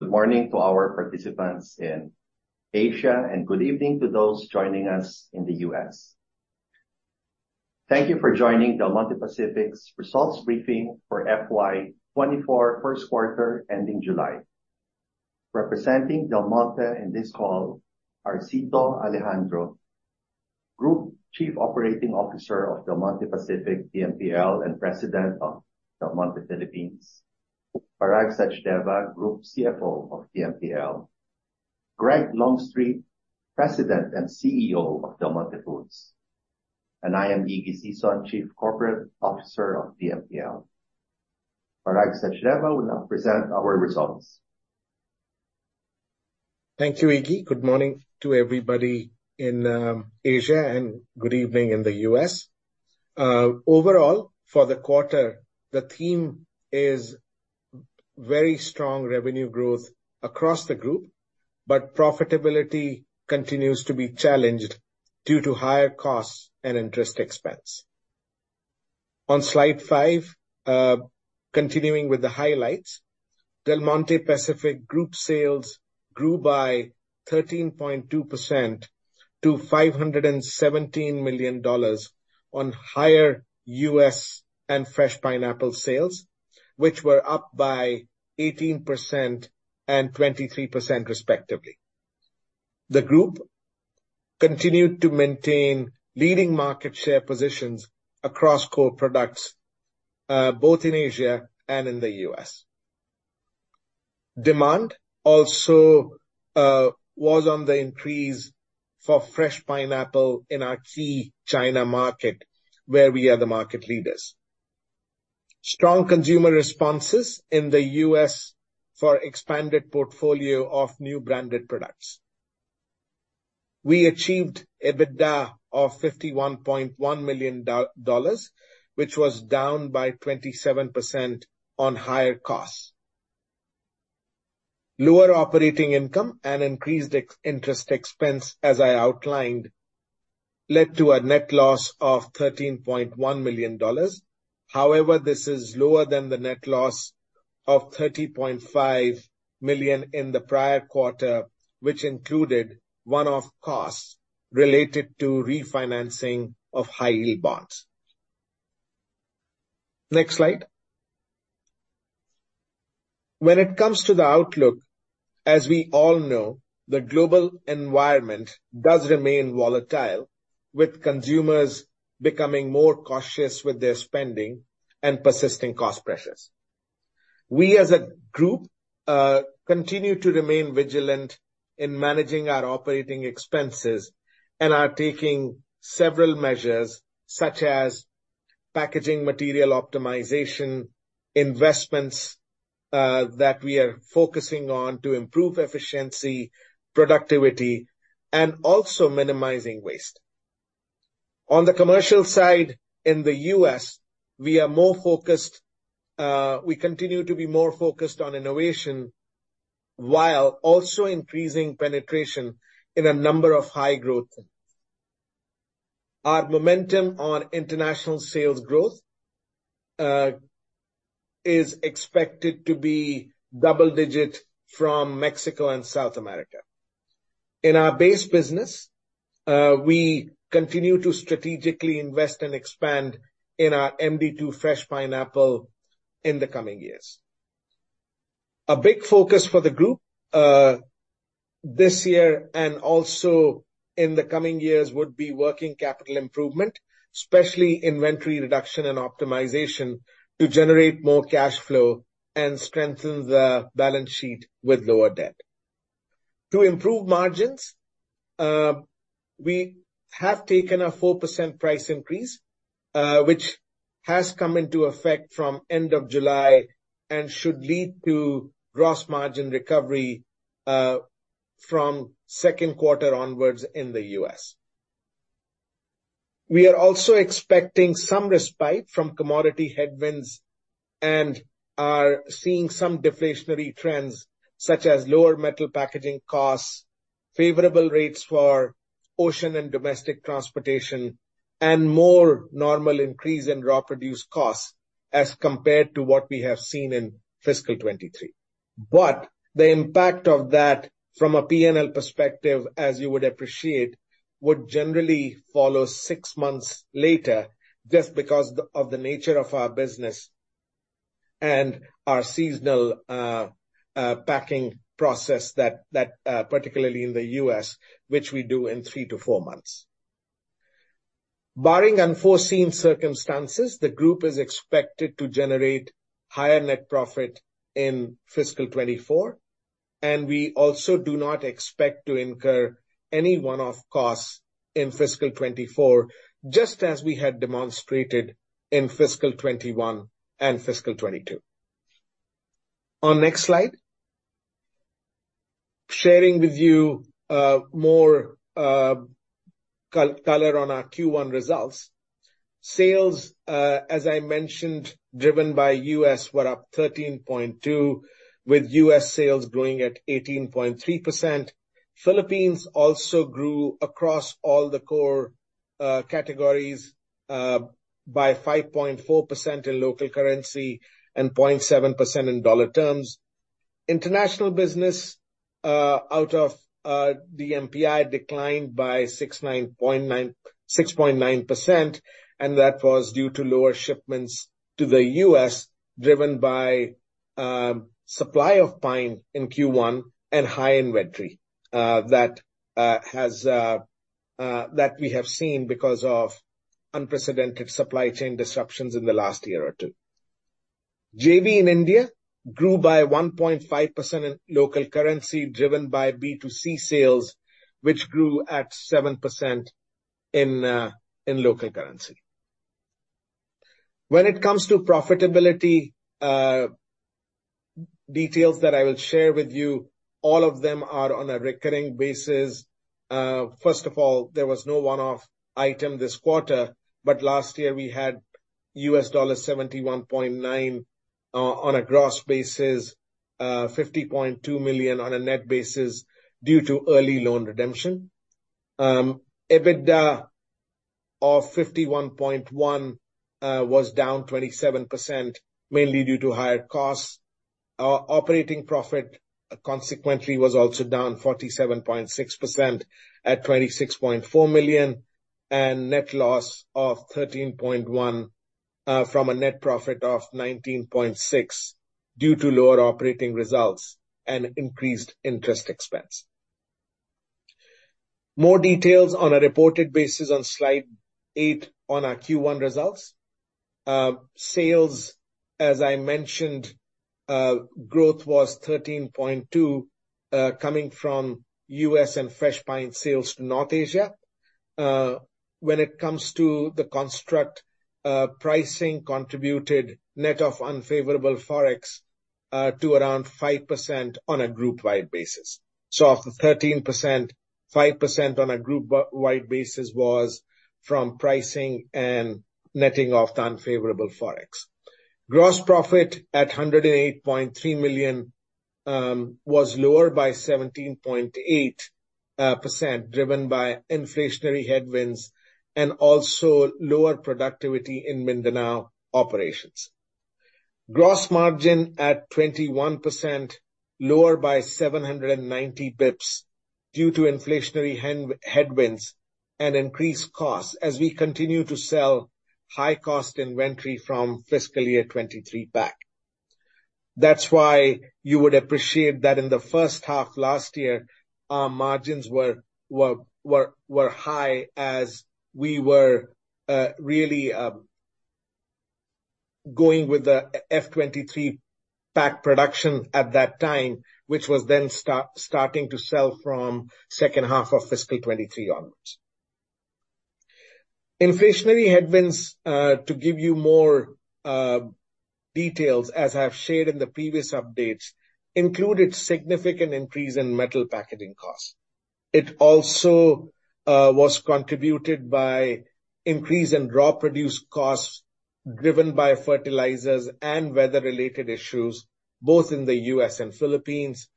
Good morning to our participants in Asia, and good evening to those joining us in the U.S. Thank you for joining Del Monte Pacific's results briefing for FY 2024 first quarter, ending July. Representing Del Monte in this call are Cito Alejandro, Group Chief Operating Officer of Del Monte Pacific, DMPL, and President of Del Monte Philippines. Parag Sachdeva, Group CFO of DMPL. Greg Longstreet, President and CEO of Del Monte Foods. And I am Iggy Sison, Chief Corporate Officer of DMPL. Parag Sachdeva will now present our results. Thank you, Iggy. Good morning to everybody in Asia, and good evening in the U.S. Overall, for the quarter, the theme is very strong revenue growth across the group, but profitability continues to be challenged due to higher costs and interest expense. On slide five, continuing with the highlights, Del Monte Pacific Group sales grew by 13.2% to $517 million on higher U.S. and fresh pineapple sales, which were up by 18% and 23%, respectively. The group continued to maintain leading market share positions across core products, both in Asia and in the U.S. Demand also was on the increase for fresh pineapple in our key China market, where we are the market leaders. Strong consumer responses in the U.S. for expanded portfolio of new branded products. We achieved EBITDA of $51.1 million, which was down by 27% on higher costs. Lower operating income and increased interest expense, as I outlined, led to a net loss of $13.1 million. However, this is lower than the net loss of $30.5 million in the prior quarter, which included one-off costs related to refinancing of high-yield bonds. Next slide. When it comes to the outlook, as we all know, the global environment does remain volatile, with consumers becoming more cautious with their spending and persisting cost pressures. We, as a group, continue to remain vigilant in managing our operating expenses and are taking several measures, such as packaging material optimization, investments that we are focusing on to improve efficiency, productivity, and also minimizing waste. On the commercial side, in the U.S., we are more focused... We continue to be more focused on innovation while also increasing penetration in a number of high-growth. Our momentum on international sales growth is expected to be double-digit from Mexico and South America. In our base business, we continue to strategically invest and expand in our MD2 fresh pineapple in the coming years. A big focus for the group this year and also in the coming years would be working capital improvement, especially inventory reduction and optimization, to generate more cash flow and strengthen the balance sheet with lower debt. To improve margins, we have taken a 4% price increase, which has come into effect from end of July and should lead to gross margin recovery from second quarter onwards in the U.S. We are also expecting some respite from commodity headwinds and are seeing some deflationary trends, such as lower metal packaging costs, favorable rates for ocean and domestic transportation, and more normal increase in raw produced costs as compared to what we have seen in fiscal 2023. The impact of that, from a P&L perspective, as you would appreciate, would generally follow six months later, just because of the nature of our business and our seasonal packing process, particularly in the U.S., which we do in three to four months. Barring unforeseen circumstances, the group is expected to generate higher net profit in fiscal 2024, and we also do not expect to incur any one-off costs in fiscal 2024, just as we had demonstrated in fiscal 2021 and fiscal 2022. On next slide. Sharing with you more color on our Q1 results. Sales, as I mentioned, driven by U.S., were up 13.2, with U.S. sales growing at 18.3%. Philippines also grew across all the core categories by 5.4% in local currency and 0.7% in dollar terms. International business out of DMPI declined by 6.9%, and that was due to lower shipments to the US, driven by supply of pine in Q1 and high inventory that we have seen because of unprecedented supply chain disruptions in the last year or two. JV in India grew by 1.5% in local currency, driven by B2C sales, which grew at 7% in local currency. When it comes to profitability, details that I will share with you, all of them are on a recurring basis. First of all, there was no one-off item this quarter, but last year we had $71.9 million on a gross basis, $50.2 million on a net basis due to early loan redemption. EBITDA of $51.1 million was down 27%, mainly due to higher costs. Our operating profit, consequently, was also down 47.6% at $26.4 million, and net loss of $13.1 million from a net profit of $19.6 million, due to lower operating results and increased interest expense. More details on a reported basis on slide eight on our Q1 results. Sales, as I mentioned, growth was 13.2, coming from U.S. and fresh pine sales to North Asia. When it comes to the construct, pricing contributed net of unfavorable Forex to around 5% on a group-wide basis. So of the 13%, 5% on a group-wide basis was from pricing and netting off the unfavorable Forex. Gross profit at $108.3 million was lower by 17.8%, driven by inflationary headwinds and also lower productivity in Mindanao operations. Gross margin at 21%, lower by 790 bps due to inflationary headwinds and increased costs as we continue to sell high-cost inventory from fiscal year 2023 back. That's why you would appreciate that in the first half last year, our margins were high as we were really going with the F-2023 pack production at that time, which was then starting to sell from second half of fiscal 2023 onwards. Inflationary headwinds, to give you more details, as I've shared in the previous updates, included significant increase in metal packaging costs. It also was contributed by increase in raw produced costs, driven by fertilizers and weather-related issues, both in the U.S. and Philippines.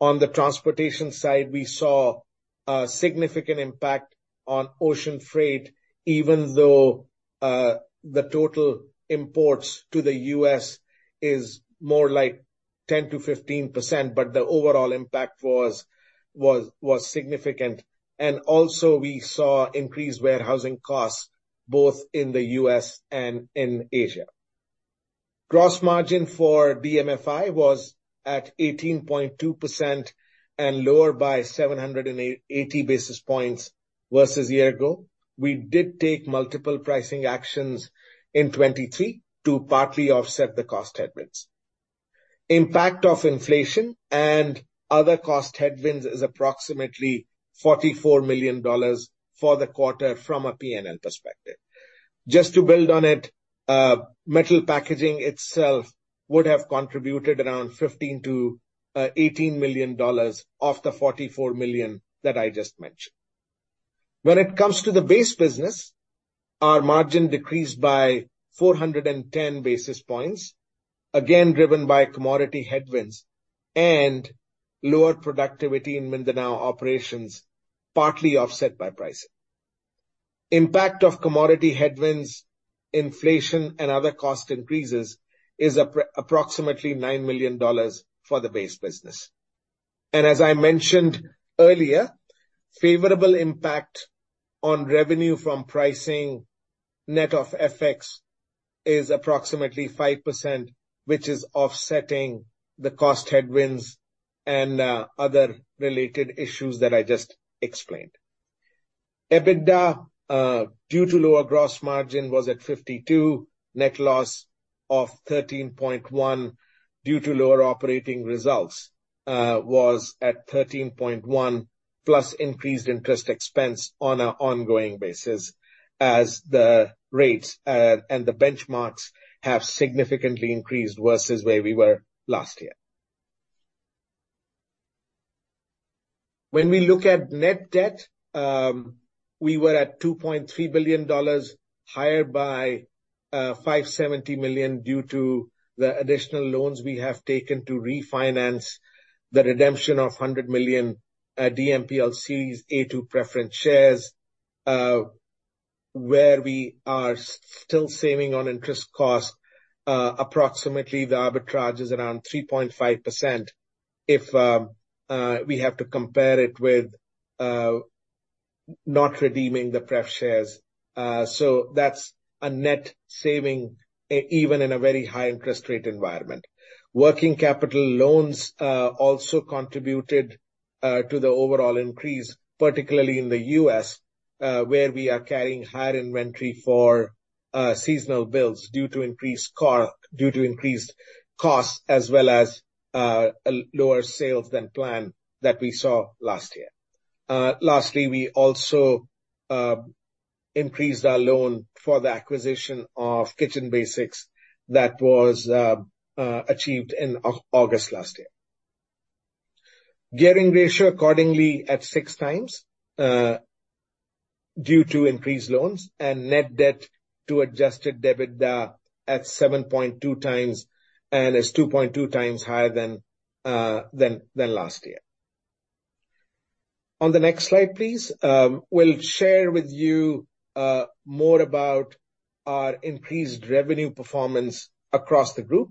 On the transportation side, we saw a significant impact on ocean freight, even though the total imports to the U.S. is more like 10%-15%, but the overall impact was significant. We also saw increased warehousing costs both in the U.S. and in Asia. Gross margin for DMFI was at 18.2% and lower by 780 basis points versus a year ago. We did take multiple pricing actions in 2023 to partly offset the cost headwinds. Impact of inflation and other cost headwinds is approximately $44 million for the quarter from a P&L perspective. Just to build on it, metal packaging itself would have contributed around $15 million-$18 million of the $44 million that I just mentioned. When it comes to the base business, our margin decreased by 410 basis points, again, driven by commodity headwinds and lower productivity in Mindanao operations, partly offset by pricing. Impact of commodity headwinds, inflation, and other cost increases is approximately $9 million for the base business. As I mentioned earlier, favorable impact on revenue from pricing, net of FX, is approximately 5%, which is offsetting the cost headwinds and other related issues that I just explained. EBITDA, due to lower gross margin, was at $52 million. Net loss of $13.1 million due to lower operating results was at $13.1 million, plus increased interest expense on an ongoing basis, as the rates and the benchmarks have significantly increased versus where we were last year. When we look at net debt, we were at $2.3 billion, higher by $570 million due to the additional loans we have taken to refinance the redemption of $100 million, DMPLs A-2 preference shares, where we are still saving on interest cost. Approximately the arbitrage is around 3.5% if we have to compare it with not redeeming the pref shares. So that's a net saving even in a very high interest rate environment. Working capital loans also contributed to the overall increase, particularly in the U.S., where we are carrying higher inventory for seasonal builds due to increased costs, as well as lower sales than planned that we saw last year. Lastly, we also increased our loan for the acquisition of Kitchen Basics that was achieved in August last year. Gearing ratio accordingly at 6x due to increased loans and net debt to adjusted EBITDA at 7.2x, and is 2.2x higher than last year. On the next slide, please. We'll share with you more about our increased revenue performance across the group.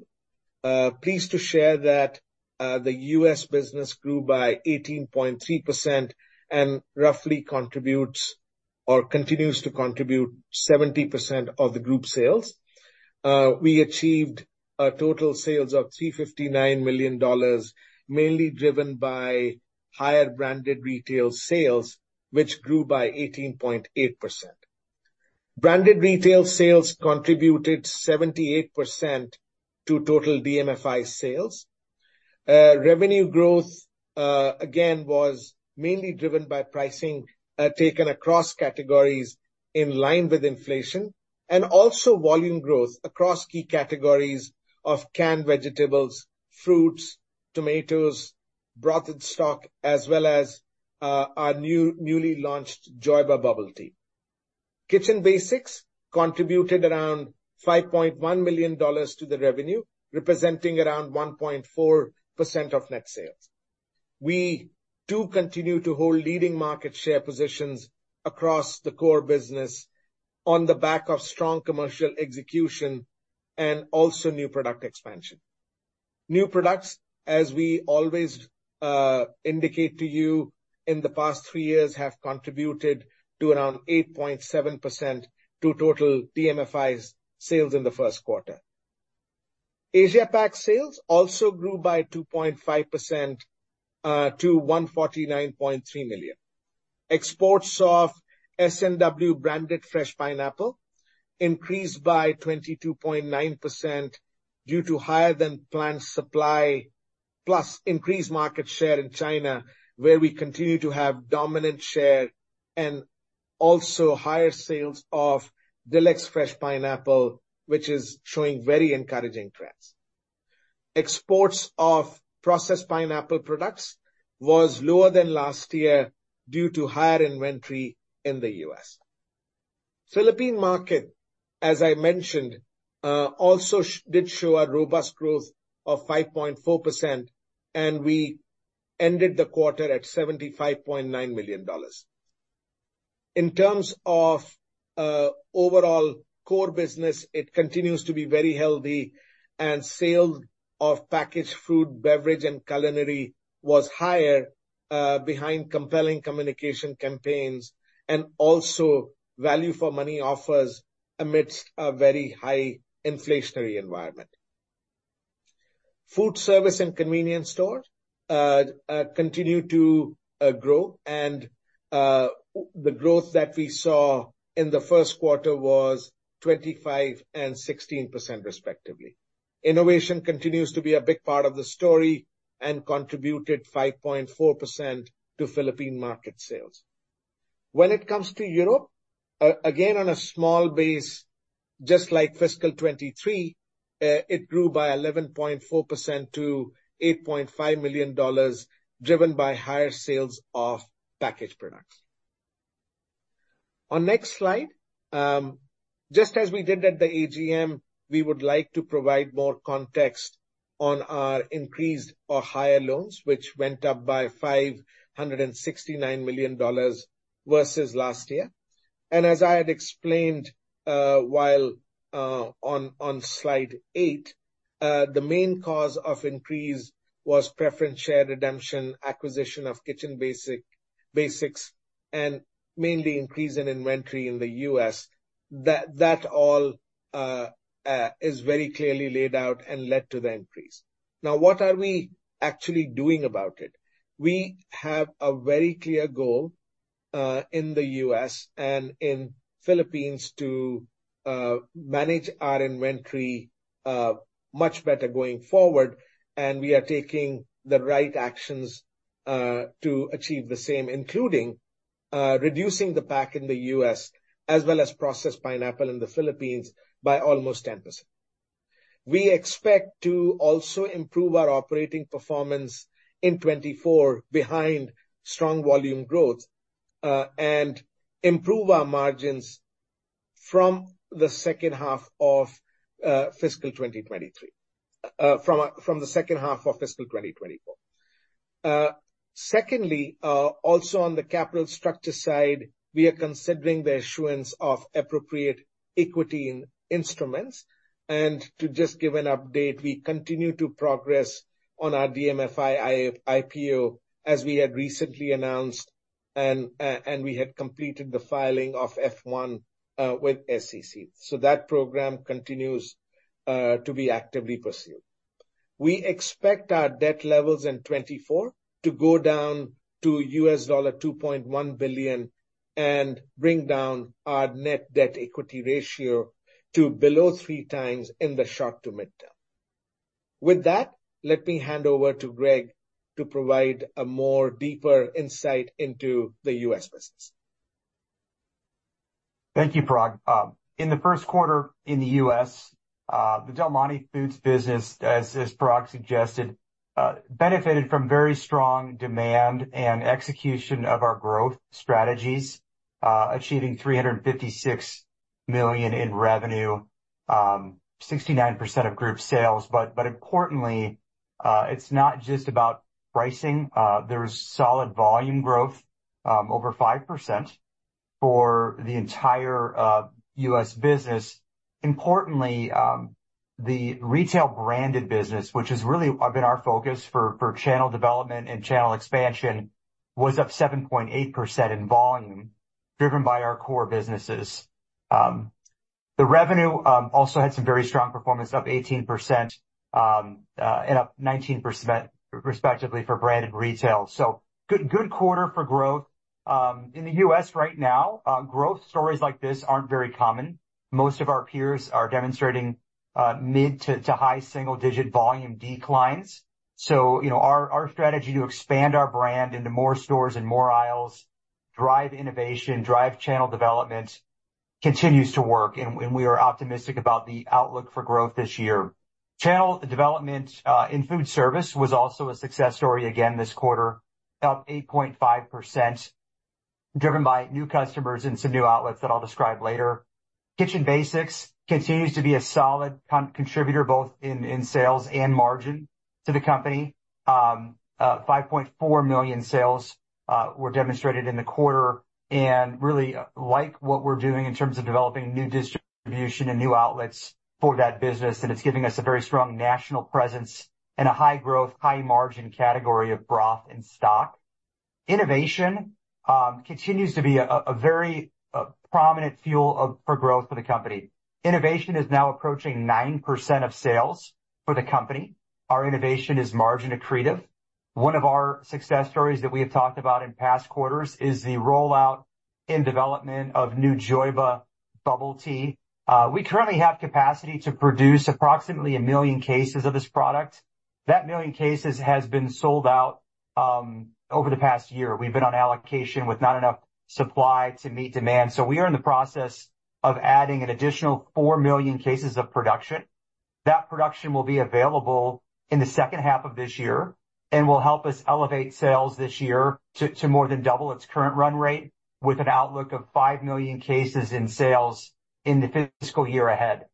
Pleased to share that the U.S. business grew by 18.3% and roughly contributes or continues to contribute 70% of the group sales. We achieved total sales of $359 million, mainly driven by higher branded retail sales, which grew by 18.8%. Branded retail sales contributed 78% to total DMFI sales. Revenue growth again was mainly driven by pricing taken across categories in line with inflation, and also volume growth across key categories of canned vegetables, fruits, tomatoes, broth and stock, as well as our newly launched JOYBA Bubble Tea. Kitchen Basics contributed around $5.1 million to the revenue, representing around 1.4% of net sales. We do continue to hold leading market share positions across the core business on the back of strong commercial execution and also new product expansion. New products, as we always indicate to you, in the past three years, have contributed to around 8.7% to total DMFI's sales in the first quarter. Asia Pac sales also grew by 2.5%, to $149.3 million. Exports of S&W branded fresh pineapple increased by 22.9% due to higher than planned supply, plus increased market share in China, where we continue to have dominant share, and also higher sales of Deluxe fresh pineapple, which is showing very encouraging trends. Exports of processed pineapple products was lower than last year due to higher inventory in the U.S. Philippine market, as I mentioned, also did show a robust growth of 5.4%, and we ended the quarter at $75.9 million. In terms of, overall core business, it continues to be very healthy, and sale of packaged food, beverage, and culinary was higher, behind compelling communication campaigns and also value for money offers amidst a very high inflationary environment. Food service and convenience stores, continue to grow, and, the growth that we saw in the first quarter was 25% and 16%, respectively. Innovation continues to be a big part of the story and contributed 5.4% to Philippine market sales. When it comes to Europe, again, on a small base, just like fiscal 2023, it grew by 11.4% to $8.5 million, driven by higher sales of packaged products. On next slide, just as we did at the AGM, we would like to provide more context on our increased or higher loans, which went up by $569 million versus last year. And as I had explained, on slide eight, the main cause of increase was preference share redemption, acquisition of Kitchen Basics, and mainly increase in inventory in the US. That all is very clearly laid out and led to the increase. Now, what are we actually doing about it? We have a very clear goal in the U.S. and in Philippines to manage our inventory much better going forward, and we are taking the right actions to achieve the same, including reducing the pack in the U.S. as well as processed pineapple in the Philippines by almost 10%.... We expect to also improve our operating performance in 2024 behind strong volume growth and improve our margins from the second half of fiscal 2023, from the second half of fiscal 2024. Secondly, also on the capital structure side, we are considering the issuance of appropriate equity instruments. To just give an update, we continue to progress on our DMFI IPO, as we had recently announced, and we had completed the filing of F-1 with SEC. So that program continues to be actively pursued. We expect our debt levels in 2024 to go down to $2.1 billion and bring down our net debt equity ratio to below three times in the short to mid-term. With that, let me hand over to Greg to provide a more deeper insight into the U.S. business. Thank you, Parag. In the first quarter in the U.S., the Del Monte Foods business, as Parag suggested, benefited from very strong demand and execution of our growth strategies, achieving $356 million in revenue, 69% of group sales. But importantly, it's not just about pricing, there's solid volume growth over 5% for the entire U.S. business. Importantly, the retail branded business, which has really been our focus for channel development and channel expansion, was up 7.8% in volume, driven by our core businesses. The revenue also had some very strong performance, up 18%, and up 19%, respectively, for branded retail. So good, good quarter for growth. In the U.S. right now, growth stories like this aren't very common. Most of our peers are demonstrating mid to high single-digit volume declines. So, you know, our strategy to expand our brand into more stores and more aisles, drive innovation, drive channel development, continues to work, and we are optimistic about the outlook for growth this year. Channel development in food service was also a success story again this quarter, up 8.5%, driven by new customers and some new outlets that I'll describe later. Kitchen Basics continues to be a solid contributor, both in sales and margin to the company. $5.4 million sales were demonstrated in the quarter, and really like what we're doing in terms of developing new distribution and new outlets for that business, and it's giving us a very strong national presence and a high growth, high margin category of broth and stock. Innovation continues to be a very prominent fuel of, for growth for the company. Innovation is now approaching 9% of sales for the company. Our innovation is margin accretive. One of our success stories that we have talked about in past quarters is the rollout and development of new JOYBA Bubble Tea. We currently have capacity to produce approximately million cases of this product. That million cases has been sold out over the past year. We've been on allocation with not enough supply to meet demand, so we are in the process of adding an additional 4 million cases of production. That production will be available in the second half of this year and will help us elevate sales this year to, to more than double its current run rate, with an outlook of 5 million cases in sales in the fiscal year ahead.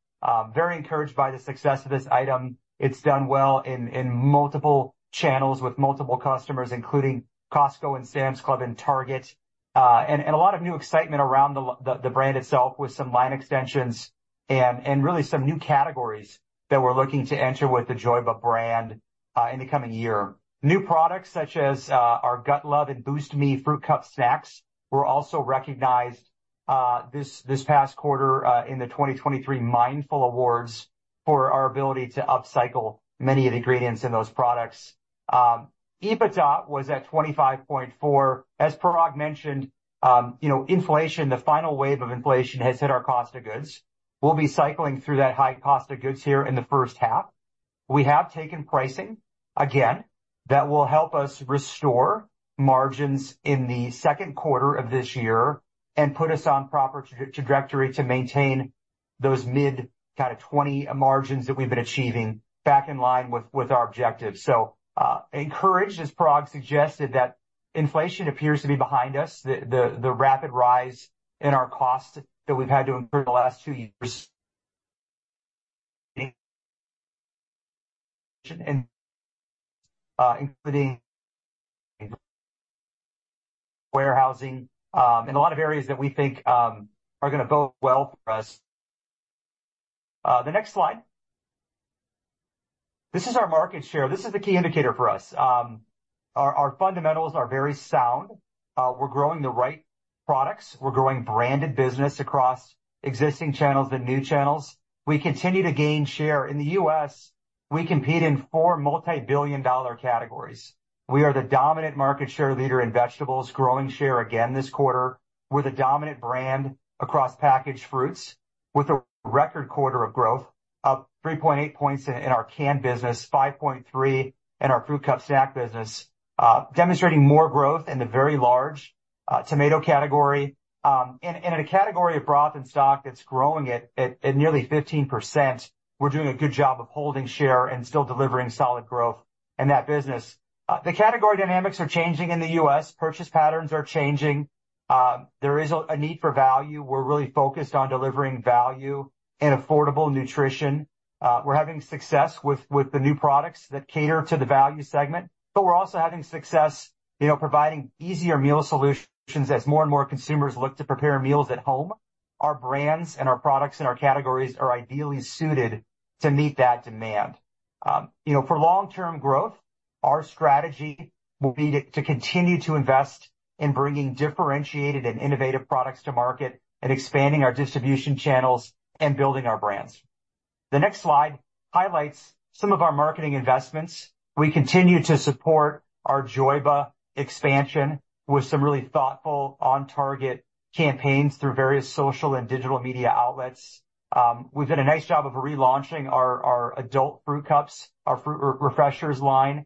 Very encouraged by the success of this item. It's done well in, in multiple channels with multiple customers, including Costco and Sam's Club and Target, and, and a lot of new excitement around the the brand itself, with some line extensions and, and really some new categories that we're looking to enter with the JOYBA brand, in the coming year. New products such as our Gut Love and Boost Me Fruit Cup Snacks were also recognized this past quarter in the 2023 Mindful Awards for our ability to upcycle many of the ingredients in those products. EBITDA was at $25.4. As Parag mentioned, you know, inflation, the final wave of inflation, has hit our cost of goods. We'll be cycling through that high cost of goods here in the first half. We have taken pricing again, that will help us restore margins in the second quarter of this year and put us on proper trajectory to maintain those mid kind of 20 margins that we've been achieving back in line with our objectives. Encouraged, as Parag suggested, that inflation appears to be behind us. The rapid rise in our costs that we've had to incur in the last two years, including warehousing in a lot of areas that we think are gonna bode well for us. The next slide. This is our market share. This is the key indicator for us. Our fundamentals are very sound. We're growing the right products. We're growing branded business across existing channels and new channels. We continue to gain share. In the U.S., we compete in four multibillion-dollar categories. We are the dominant market share leader in vegetables, growing share again this quarter. We're the dominant brand across packaged fruits with a record quarter of growth, up 3.8 points in our canned business, 5.3 in our fruit cup snack business, demonstrating more growth in the very large tomato category. In a category of broth and stock that's growing at nearly 15%, we're doing a good job of holding share and still delivering solid growth in that business. The category dynamics are changing in the U.S., purchase patterns are changing. There is a need for value. We're really focused on delivering value and affordable nutrition. We're having success with the new products that cater to the value segment, but we're also having success, you know, providing easier meal solutions as more and more consumers look to prepare meals at home. Our brands and our products and our categories are ideally suited to meet that demand. You know, for long-term growth, our strategy will be to continue to invest in bringing differentiated and innovative products to market and expanding our distribution channels and building our brands. The next slide highlights some of our marketing investments. We continue to support our JOYBA expansion with some really thoughtful, on-target campaigns through various social and digital media outlets. We've done a nice job of relaunching our adult fruit cups, our Fruit Refreshers line.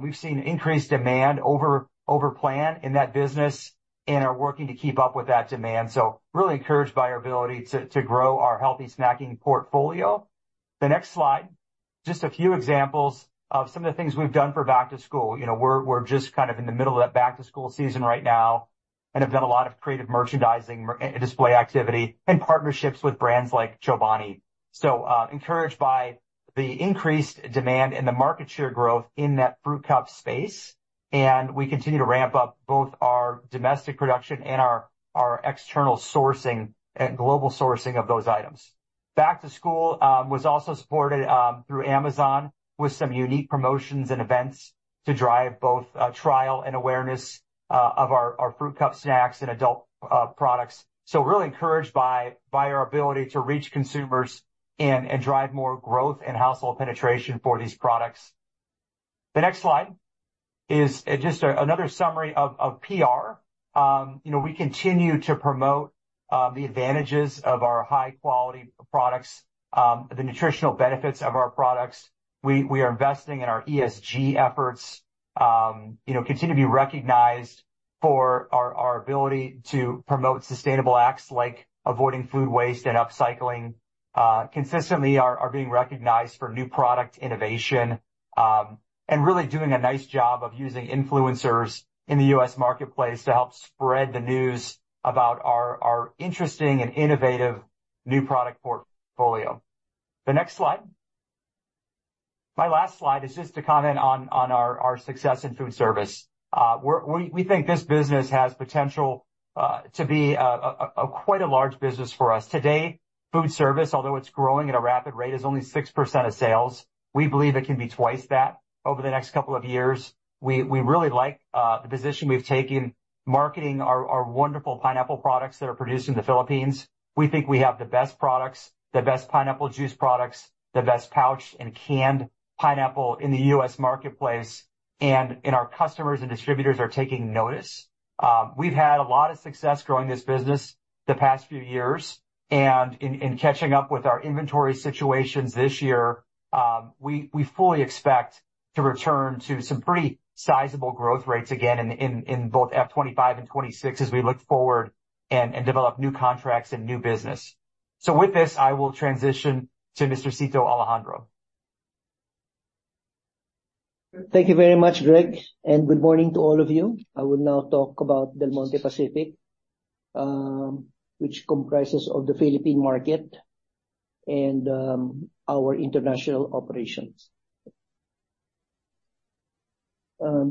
We've seen increased demand over-plan in that business and are working to keep up with that demand. So really encouraged by our ability to grow our healthy snacking portfolio. The next slide, just a few examples of some of the things we've done for back to school. You know, we're just kind of in the middle of that back-to-school season right now, and have done a lot of creative merchandising display activity and partnerships with brands like Chobani. So, encouraged by the increased demand and the market share growth in that fruit cup space, and we continue to ramp up both our domestic production and our external sourcing and global sourcing of those items. Back to school was also supported through Amazon, with some unique promotions and events to drive both trial and awareness of our fruit cup snacks and adult products. So we're really encouraged by our ability to reach consumers and drive more growth and household penetration for these products. The next slide is just another summary of PR. You know, we continue to promote the advantages of our high-quality products, the nutritional benefits of our products. We, we are investing in our ESG efforts, you know, continue to be recognized for our ability to promote sustainable acts, like avoiding food waste and upcycling. Consistently are being recognized for new product innovation, and really doing a nice job of using influencers in the U.S. marketplace to help spread the news about our interesting and innovative new product portfolio. The next slide. My last slide is just to comment on our success in food service. We think this business has potential to be a quite a large business for us. Today, food service, although it's growing at a rapid rate, is only 6% of sales. We believe it can be twice that over the next couple of years. We really like the position we've taken, marketing our wonderful pineapple products that are produced in the Philippines. We think we have the best products, the best pineapple juice products, the best pouched and canned pineapple in the U.S. marketplace, and our customers and distributors are taking notice. We've had a lot of success growing this business the past few years, and in catching up with our inventory situations this year, we fully expect to return to some pretty sizable growth rates again in both FY 2025 and 2026 as we look forward and develop new contracts and new business. So with this, I will transition to Mr. Cito Alejandro. Thank you very much, Greg, and good morning to all of you. I will now talk about Del Monte Pacific, which comprises of the Philippine market and our international operations.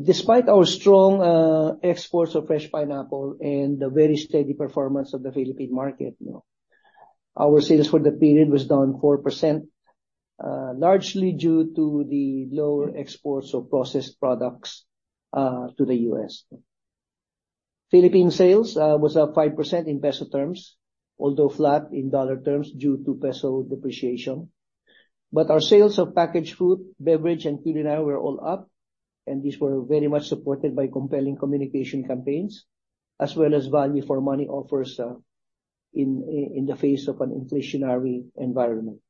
Despite our strong exports of fresh pineapple and the very steady performance of the Philippine market, you know, our sales for the period was down 4%, largely due to the lower exports of processed products to the U.S. Philippine sales was up 5% in peso terms, although flat in dollar terms due to peso depreciation. But our sales of packaged food, beverage, and culinary were all up, and these were very much supported by compelling communication campaigns, as well as value for money offers in the face of an inflationary environment.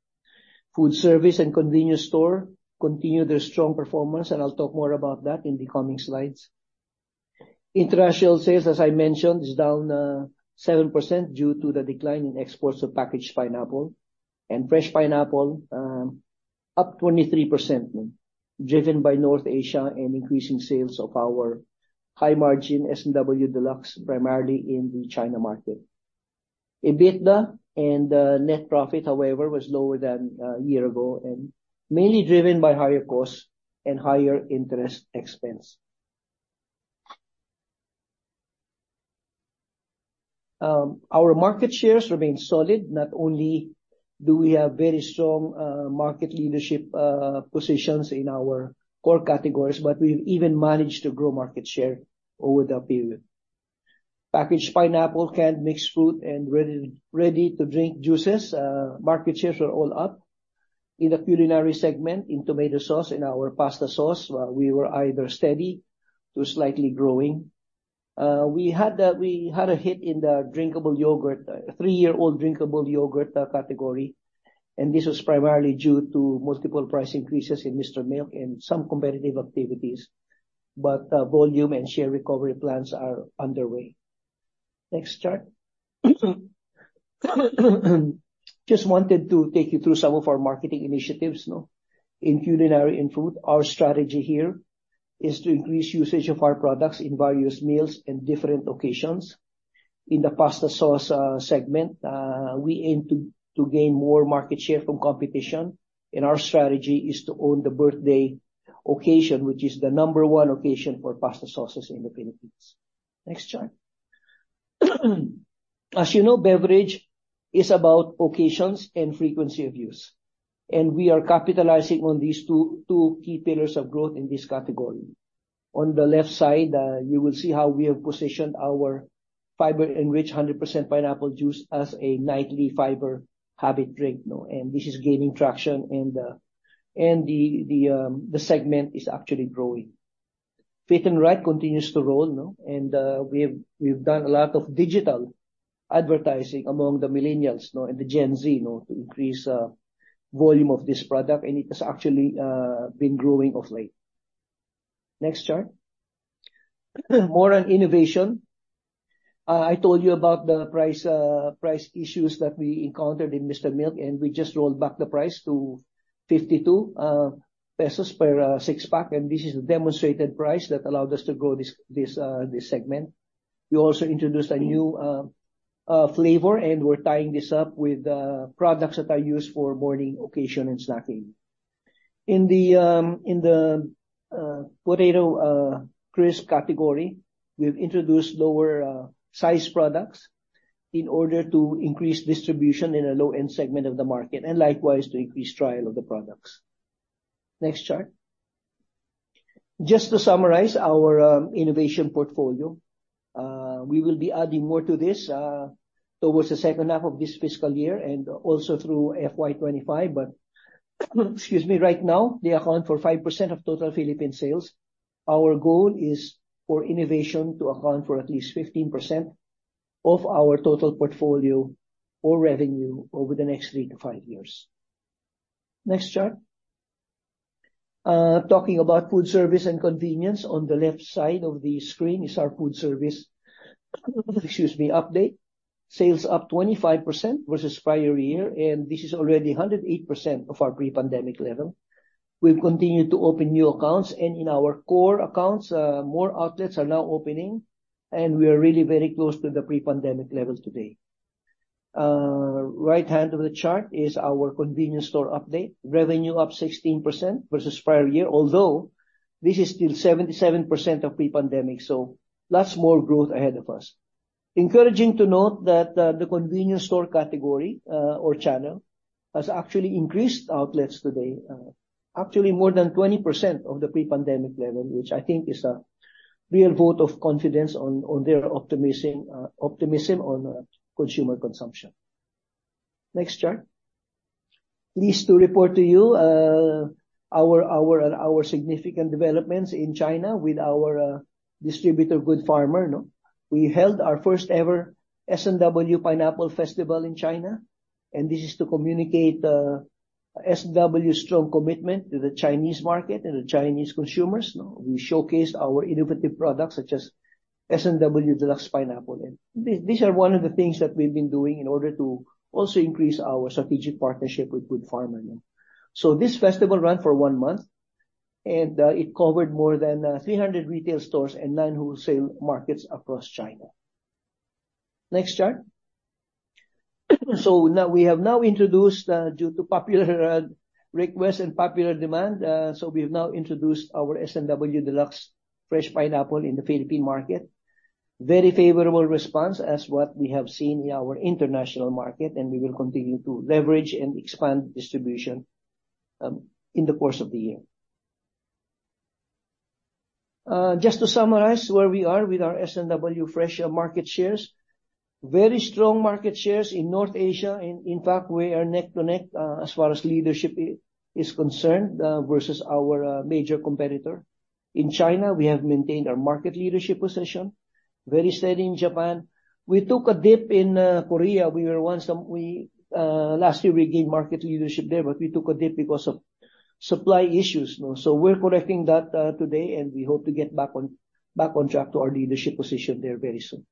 Food service and convenience store continued their strong performance, and I'll talk more about that in the coming slides. International sales, as I mentioned, is down 7% due to the decline in exports of packaged pineapple and fresh pineapple up 23%, driven by North Asia and increasing sales of our high-margin S&W Deluxe, primarily in the China market. EBITDA and net profit, however, was lower than a year ago, and mainly driven by higher costs and higher interest expense. Our market shares remain solid. Not only do we have very strong market leadership positions in our core categories, but we've even managed to grow market share over the period. Packaged pineapple, canned mixed fruit, and ready, ready-to-drink juices market shares are all up. In the culinary segment, in tomato sauce and our pasta sauce, we were either steady to slightly growing. We had a hit in the drinkable yogurt, three-year-old drinkable yogurt, category, and this was primarily due to multiple price increases in Mr. Milk and some competitive activities, but volume and share recovery plans are underway. Next chart. Just wanted to take you through some of our marketing initiatives, noh? In culinary and food, our strategy here is to increase usage of our products in various meals and different occasions. In the pasta sauce segment, we aim to gain more market share from competition, and our strategy is to own the birthday occasion, which is the number one occasion for pasta sauces in the Philippines. Next chart. As you know, beverage is about occasions and frequency of use, and we are capitalizing on these two, two key pillars of growth in this category. On the left side, you will see how we have positioned our fiber-enriched 100% pineapple juice as a nightly fiber habit drink, noh? And this is gaining traction, and the segment is actually growing. Fit 'n Right continues to roll, noh? And, we've done a lot of digital advertising among the Millennials, noh, and the Gen Z, noh, to increase volume of this product, and it has actually been growing of late. Next chart. More on innovation. I told you about the price price issues that we encountered in Mr. Milk, and we just rolled back the price to 52 pesos per six-pack, and this is a demonstrated price that allowed us to grow this, this, this segment. We also introduced a new flavor, and we're tying this up with products that are used for morning occasion and snacking. In the potato crisp category, we've introduced lower size products in order to increase distribution in a low-end segment of the market and likewise, to increase trial of the products. Next chart. Just to summarize our innovation portfolio, we will be adding more to this towards the second half of this fiscal year, and also through FY 2025. But, excuse me, right now, they account for 5% of total Philippine sales. Our goal is for innovation to account for at least 15% of our total portfolio or revenue over the next three to five years. Next chart. Talking about food service and convenience, on the left side of the screen is our food service, excuse me, update. Sales up 25% versus prior year, and this is already 108% of our pre-pandemic level. We've continued to open new accounts, and in our core accounts, more outlets are now opening, and we are really very close to the pre-pandemic levels today. Right hand of the chart is our convenience store update. Revenue up 16% versus prior year, although this is still 77% of pre-pandemic, so lots more growth ahead of us. Encouraging to note that, the convenience store category, or channel, has actually increased outlets today, actually more than 20% of the pre-pandemic level, which I think is a real vote of confidence on their optimism on consumer consumption. Next chart. Pleased to report to you, our significant developments in China with our distributor, Goodfarmer, noh? We held our first ever S&W Pineapple Festival in China, and this is to communicate S&W's strong commitment to the Chinese market and the Chinese consumers, no? We showcased our innovative products, such as S&W Deluxe Pineapple, and these are one of the things that we've been doing in order to also increase our strategic partnership with Goodfarmer, noh? So this festival ran for one month, and it covered more than 300 retail stores and nine wholesale markets across China. Next chart. So now, we have now introduced, due to popular request and popular demand, so we have now introduced our S&W Deluxe Fresh Pineapple in the Philippine market. Very favorable response as what we have seen in our international market, and we will continue to leverage and expand distribution in the course of the year. Just to summarize where we are with our S&W fresh market shares. Very strong market shares in North Asia, and in fact, we are neck and neck as far as leadership is concerned versus our major competitor. In China, we have maintained our market leadership position. Very steady in Japan. We took a dip in Korea. Last year we gained market leadership there, but we took a dip because of supply issues, noh? So we're correcting that today, and we hope to get back on track to our leadership position there very soon.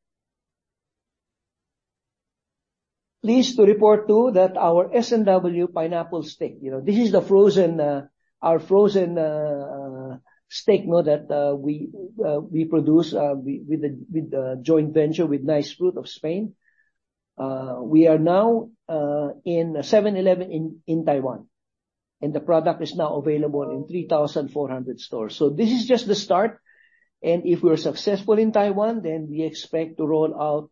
Pleased to report, too, that our S&W Pineapple Stick, you know, this is the frozen, our frozen stick, noh, that we produce with the joint venture with Nice Fruit of Spain. We are now in 7-Eleven in Taiwan, and the product is now available in 3,400 stores. So this is just the start, and if we're successful in Taiwan, then we expect to roll out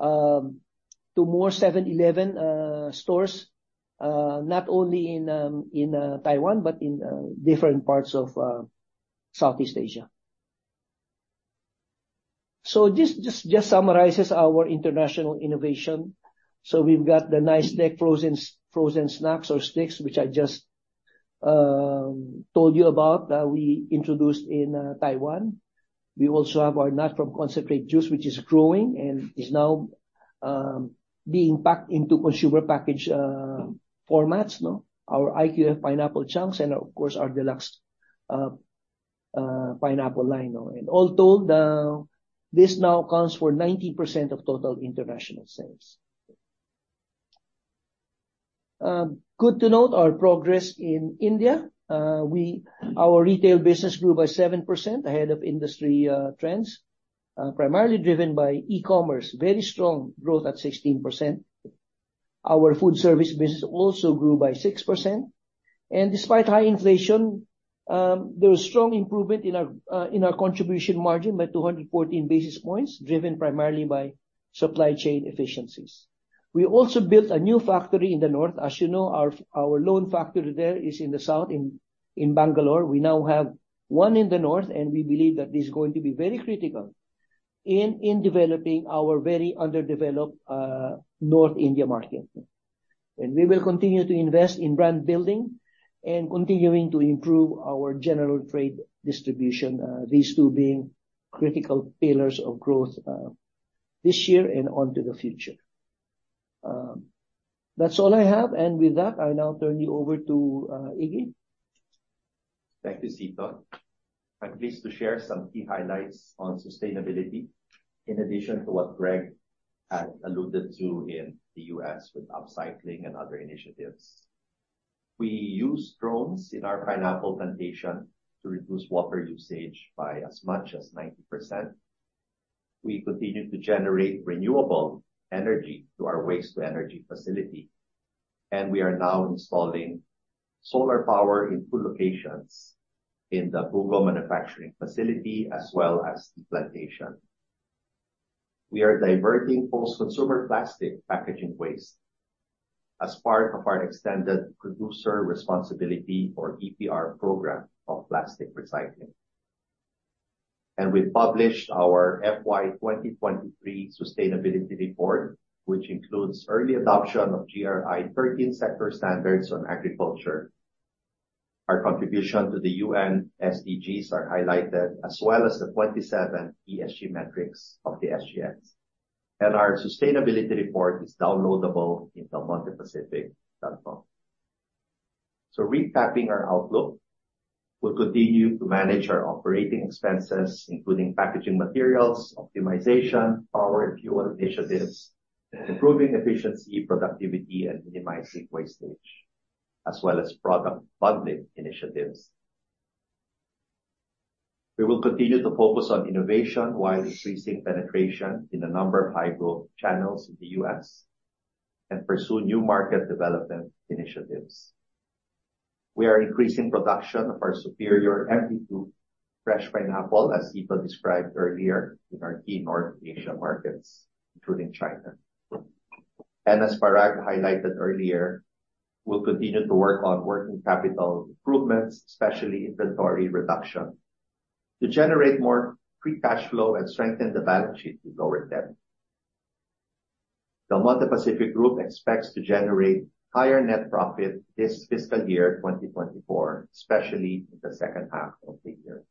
to more 7-Eleven stores, not only in Taiwan, but in different parts of Southeast Asia. So this just summarizes our international innovation. So we've got the Nice! snack frozen snacks or sticks, which I just told you about, we introduced in Taiwan. We also have our natural concentrate juice, which is growing and is now being packed into consumer package formats, noh? Our IQF pineapple chunks and of course, our deluxe pineapple line, noh. And all told, this now accounts for 90% of total international sales. Good to note our progress in India. Our retail business grew by 7% ahead of industry trends, primarily driven by e-commerce. Very strong growth at 16%. Our food service business also grew by 6%. Despite high inflation, there was strong improvement in our contribution margin by 214 basis points, driven primarily by supply chain efficiencies. We also built a new factory in the north. As you know, our only factory there is in the south, in Bangalore. We now have one in the north, and we believe that this is going to be very critical in developing our very underdeveloped North India market. We will continue to invest in brand building and continuing to improve our general trade distribution, these two being critical pillars of growth this year and onto the future. That's all I have. And with that, I'll now turn you over to Iggy. Thank you, Cito. I'm pleased to share some key highlights on sustainability, in addition to what Greg had alluded to in the U.S. with upcycling and other initiatives. We use drones in our pineapple plantation to reduce water usage by as much as 90%. We continue to generate renewable energy to our waste-to-energy facility, and we are now installing solar power in two locations: in the Bugo manufacturing facility, as well as the plantation. We are diverting post-consumer plastic packaging waste as part of our extended producer responsibility, or EPR program, of plastic recycling. We published our FY 2023 sustainability report, which includes early adoption of GRI 13 sector standards on agriculture. Our contribution to the UN SDGs are highlighted, as well as the 27 ESG metrics of the SGX. Our sustainability report is downloadable in the delmontepacific.com. So recapping our outlook, we'll continue to manage our operating expenses, including packaging materials, optimization, power and fuel initiatives, improving efficiency, productivity, and minimizing wastage, as well as product bundling initiatives. We will continue to focus on innovation while increasing penetration in a number of high-growth channels in the U.S. and pursue new market development initiatives. We are increasing production of our superior MD2 fresh pineapple, as Cito described earlier, in our key North Asia markets, including China. And as Parag highlighted earlier, we'll continue to work on working capital improvements, especially inventory reduction, to generate more free cash flow and strengthen the balance sheet to lower debt. Del Monte Pacific Group expects to generate higher net profit this fiscal year, 2024, especially in the second half of the year.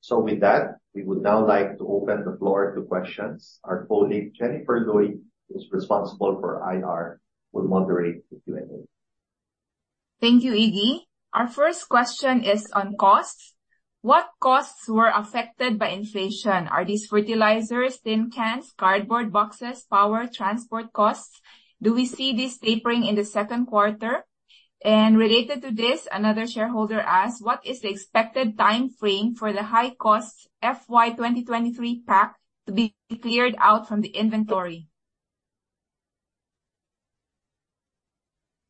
So with that, we would now like to open the floor to questions. Our colleague, Jennifer Luy, who's responsible for IR, will moderate the Q&A. Thank you, Iggy. Our first question is on costs. What costs were affected by inflation? Are these fertilizers, tin cans, cardboard boxes, power, transport costs? Do we see this tapering in the second quarter? And related to this, another shareholder asks: What is the expected timeframe for the high cost FY 2023 pack to be cleared out from the inventory?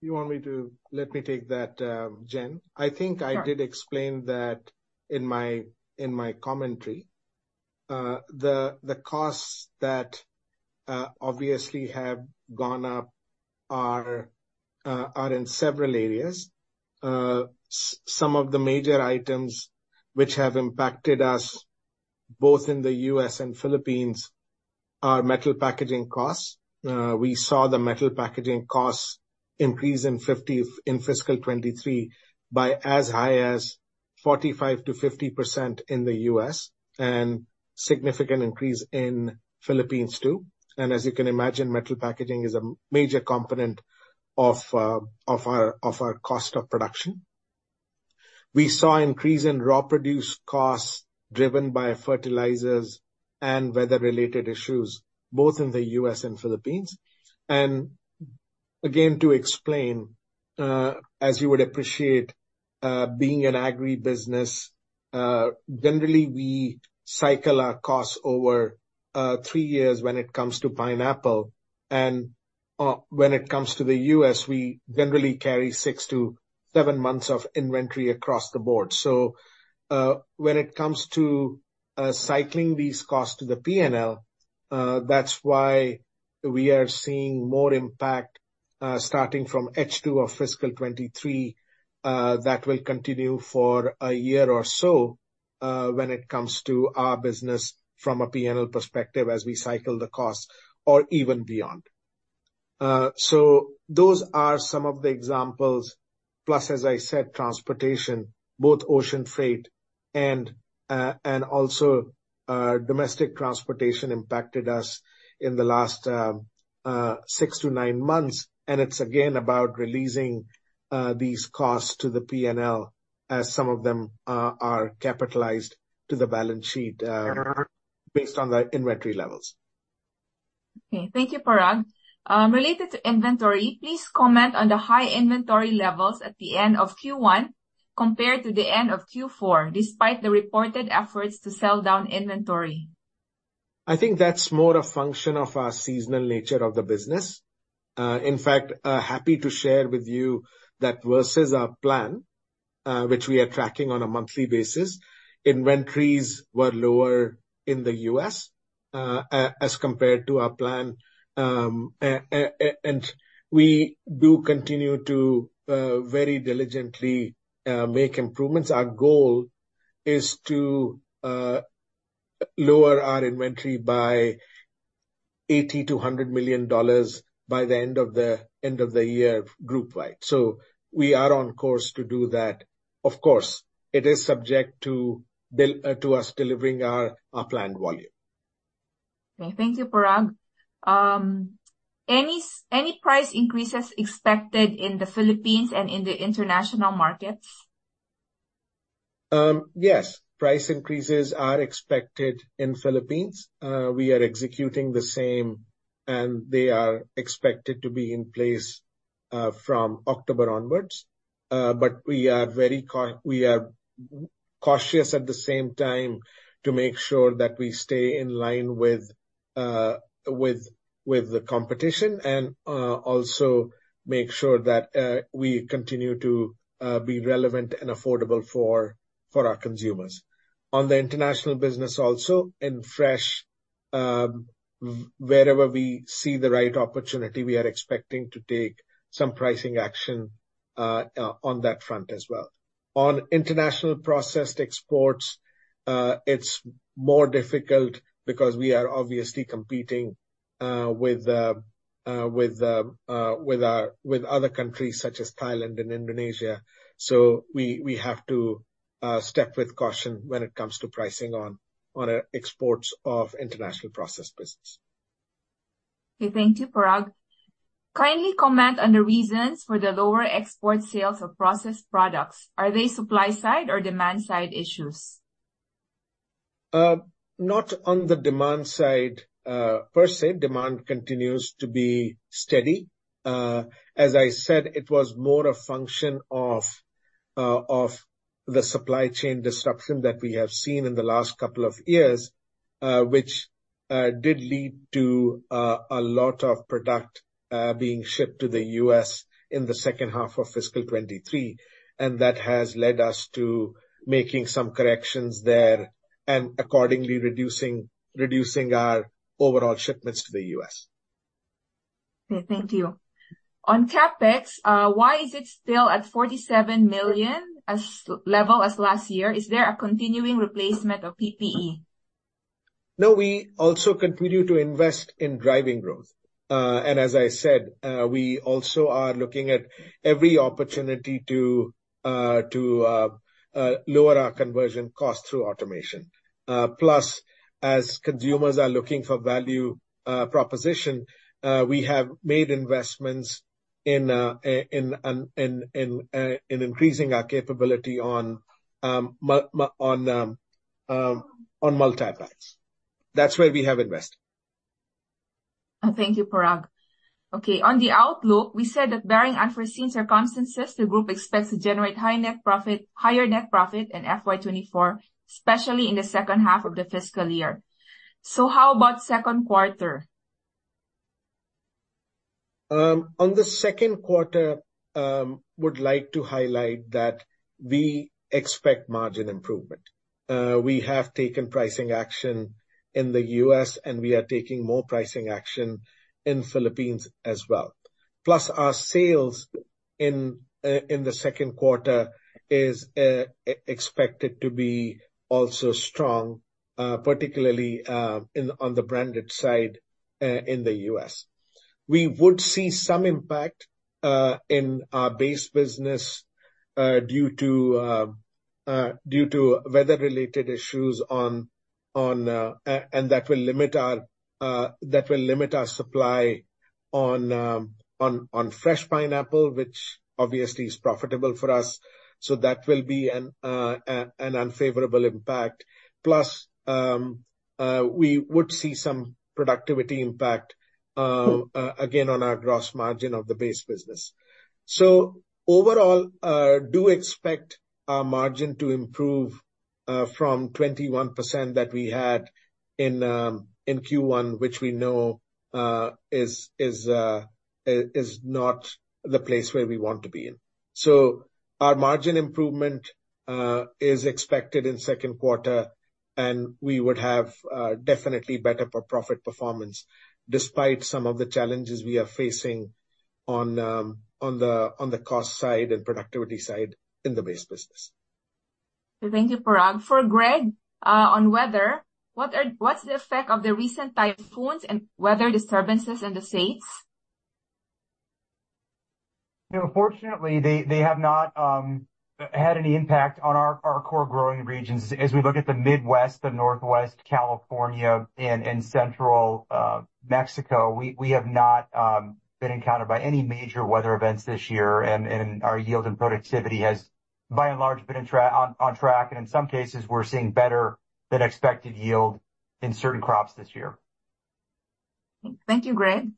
You want me to... Let me take that, Jen. I think I did- Sure. Explain that in my commentary. The costs that obviously have gone up are in several areas. Some of the major items which have impacted us, both in the U.S. and Philippines, are metal packaging costs. We saw the metal packaging costs increase in fiscal 2023 by as high as 45%-50% in the U.S., and significant increase in Philippines, too. And as you can imagine, metal packaging is a major component of our cost of production. We saw increase in raw produce costs, driven by fertilizers and weather-related issues, both in the U.S. and Philippines. And again, to explain, as you would appreciate, being an agri business, generally, we cycle our costs over three years when it comes to pineapple. When it comes to the U.S., we generally carry six to seven months of inventory across the board. So, when it comes to cycling these costs to the P&L, that's why we are seeing more impact starting from H2 of fiscal 2023. That will continue for a year or so, when it comes to our business from a P&L perspective as we cycle the costs, or even beyond. So those are some of the examples, plus, as I said, transportation, both ocean freight and also domestic transportation impacted us in the last six to nine months. And it's again about releasing these costs to the P&L, as some of them are capitalized to the balance sheet based on the inventory levels. Okay. Thank you, Parag. Related to inventory, please comment on the high inventory levels at the end of Q1 compared to the end of Q4, despite the reported efforts to sell down inventory? I think that's more a function of our seasonal nature of the business. In fact, happy to share with you that versus our plan, which we are tracking on a monthly basis, inventories were lower in the U.S., as compared to our plan. We do continue to very diligently make improvements. Our goal is to lower our inventory by $80 million-$100 million by the end of the year, group-wide. So we are on course to do that. Of course, it is subject to us delivering our planned volume. Okay. Thank you, Parag. Any price increases expected in the Philippines and in the international markets? Yes, price increases are expected in Philippines. We are executing the same, and they are expected to be in place from October onwards. But we are very cautious at the same time to make sure that we stay in line with the competition, and also make sure that we continue to be relevant and affordable for our consumers. On the international business also, in fresh, wherever we see the right opportunity, we are expecting to take some pricing action on that front as well. On international processed exports, it's more difficult because we are obviously competing with other countries such as Thailand and Indonesia, so we have to step with caution when it comes to pricing on exports of international processed business. Okay, thank you, Parag. Kindly comment on the reasons for the lower export sales of processed products. Are they supply side or demand side issues? Not on the demand side, per se. Demand continues to be steady. As I said, it was more a function of the supply chain disruption that we have seen in the last couple of years, which did lead to a lot of product being shipped to the U.S. in the second half of fiscal 2023, and that has led us to making some corrections there and accordingly reducing our overall shipments to the U.S. Okay, thank you. On CapEx, why is it still at $47 million level as last year? Is there a continuing replacement of PPE? No, we also continue to invest in driving growth. And as I said, we also are looking at every opportunity to lower our conversion cost through automation. Plus, as consumers are looking for value proposition, we have made investments in increasing our capability on multipacks. That's where we have invested. Thank you, Parag. Okay, on the outlook, we said that barring unforeseen circumstances, the group expects to generate high net profit, higher net profit in FY 2024, especially in the second half of the fiscal year. How about second quarter? On the second quarter, would like to highlight that we expect margin improvement. We have taken pricing action in the U.S., and we are taking more pricing action in Philippines as well. Plus, our sales in the second quarter is expected to be also strong, particularly on the branded side in the U.S. We would see some impact in our base business due to weather-related issues, and that will limit our supply on fresh pineapple, which obviously is profitable for us, so that will be an unfavorable impact. Plus, we would see some productivity impact again on our gross margin of the base business. So overall, do expect our margin to improve from 21% that we had in Q1, which we know is not the place where we want to be in. So our margin improvement is expected in second quarter, and we would have definitely better per profit performance despite some of the challenges we are facing on the cost side and productivity side in the base business. ... Thank you, Parag. For Greg, on weather, what's the effect of the recent typhoons and weather disturbances in the States? You know, fortunately, they have not had any impact on our core growing regions. As we look at the Midwest, the Northwest California and Central Mexico, we have not been encountered by any major weather events this year, and our yield and productivity has by and large been on track, and in some cases, we're seeing better than expected yield in certain crops this year. Thank you, Greg.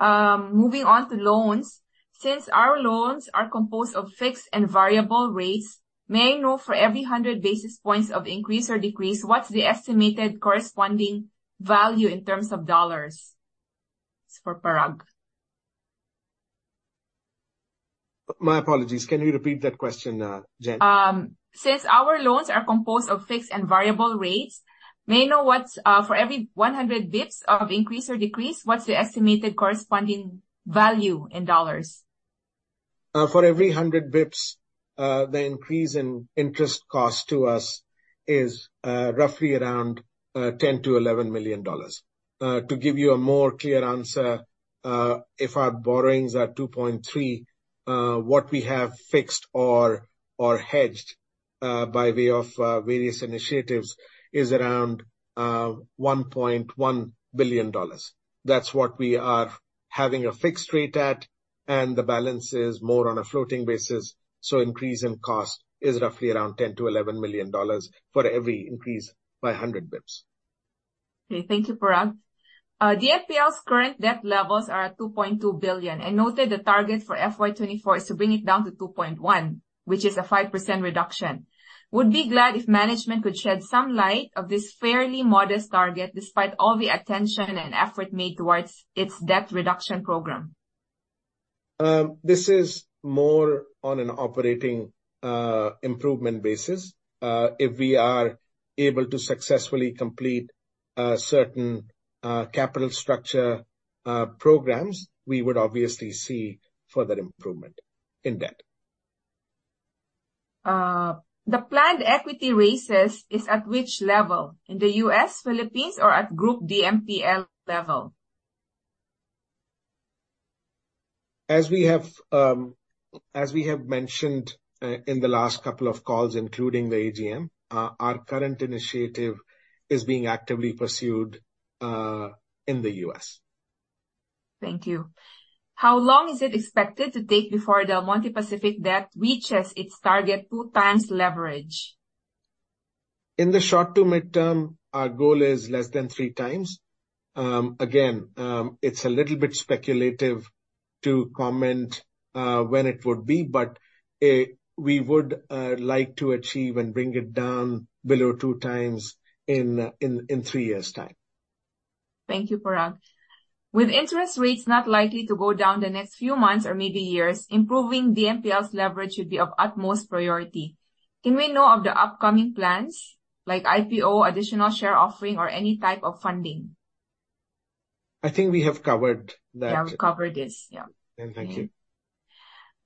Moving on to loans. Since our loans are composed of fixed and variable rates, may I know for every 100 basis points of increase or decrease, what's the estimated corresponding value in terms of dollars? It's for Parag. My apologies. Can you repeat that question, Jen? Since our loans are composed of fixed and variable rates, may I know what's for every 100 bps of increase or decrease, what's the estimated corresponding value in dollars? For every 100 bps, the increase in interest cost to us is roughly around $10 million-$11 million. To give you a more clear answer, if our borrowings are $2.3 billion, what we have fixed or hedged by way of various initiatives is around $1.1 billion. That's what we are having a fixed rate at, and the balance is more on a floating basis, so increase in cost is roughly around $10 million-$11 million for every increase by 100 bps. Okay. Thank you, Parag. DMPL's current debt levels are at $2.2 billion, and noted the target for FY 2024 is to bring it down to $2.1 billion, which is a 5% reduction. Would be glad if management could shed some light of this fairly modest target, despite all the attention and effort made towards its debt reduction program. This is more on an operating improvement basis. If we are able to successfully complete certain capital structure programs, we would obviously see further improvement in debt. The planned equity raises is at which level? In the U.S., Philippines, or at group DMPL level? As we have mentioned in the last couple of calls, including the AGM, our current initiative is being actively pursued in the U.S. Thank you. How long is it expected to take before the Del Monte Pacific debt reaches its target 2x leverage? In the short to mid-term, our goal is less than three times. Again, it's a little bit speculative to comment when it would be, but we would like to achieve and bring it down below two times in three years' time. Thank you, Parag. With interest rates not likely to go down the next few months or maybe years, improving DMPL's leverage should be of utmost priority. Can we know of the upcoming plans like IPO, additional share offering, or any type of funding? I think we have covered that. Yeah, we covered this. Yeah. Thank you.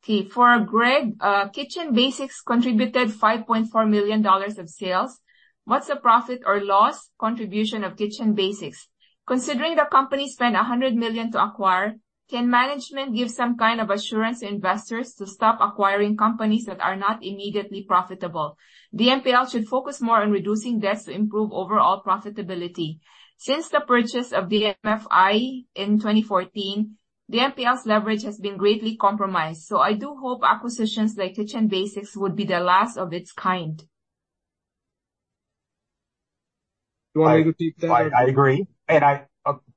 Okay. For Greg, Kitchen Basics contributed $5.4 million of sales. What's the profit or loss contribution of Kitchen Basics? Considering the company spent $100 million to acquire, can management give some kind of assurance to investors to stop acquiring companies that are not immediately profitable? DMPL should focus more on reducing debts to improve overall profitability. Since the purchase of the DMFI in 2014, DMPL's leverage has been greatly compromised, so I do hope acquisitions like Kitchen Basics would be the last of its kind. Do you want me to take that? I agree. And I,